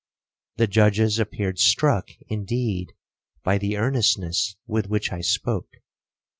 The judges appeared struck, indeed, by the earnestness with which I spoke.